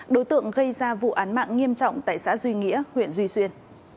đối tượng gây ra vụ án mạng nghiêm trọng tại xã duy nghĩa huyện duy xuyên